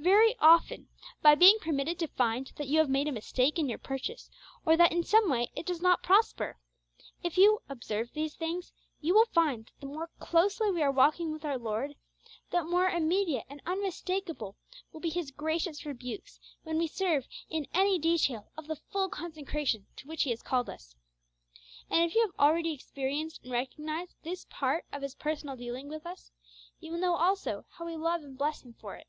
Very often by being permitted to find that you have made a mistake in your purchase, or that in some way it does not prosper. If you 'observe these things,' you will find that the more closely we are walking with our Lord, the more immediate and unmistakeable will be His gracious rebukes when we swerve in any detail of the full consecration to which He has called us. And if you have already experienced and recognised this part of His personal dealing with us, you will know also how we love and bless Him for it.